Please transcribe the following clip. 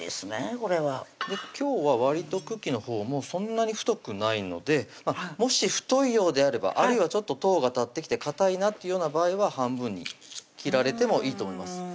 これは今日はわりと茎のほうもそんなに太くないのでもし太いようであればあるいはちょっととうが立ってきてかたいなっていうような場合は半分に切られてもいいと思います